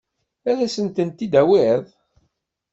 Ad asent-ten-id-tawiḍ?